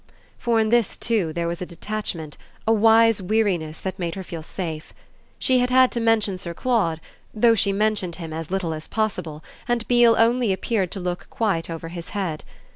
For in this too there was a detachment, a wise weariness that made her feel safe. She had had to mention Sir Claude, though she mentioned him as little as possible and Beale only appeared to look quite over his head.